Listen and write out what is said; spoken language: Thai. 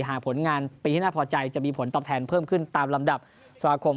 หากผลงานปีที่น่าพอใจจะมีผลตอบแทนเพิ่มขึ้นตามลำดับสมาคม